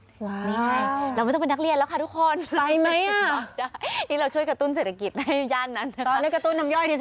นี่ไงเราไม่ต้องเป็นนักเรียนแล้วค่ะทุกคนไปไหม